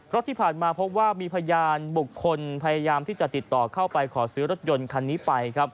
ที่ผ่านมาพบว่ามีพยานบุคคลพยายามที่จะติดต่อเข้าไปขอซื้อรถยนต์คันนี้ไปครับ